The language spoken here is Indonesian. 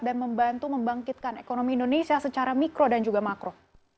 dan membantu membangkitkan ekonomi indonesia secara mikro dan juga makro